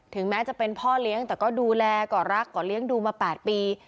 แม้จะเป็นพ่อเลี้ยงแต่ก็ดูแลก่อรักก่อเลี้ยงดูมา๘ปี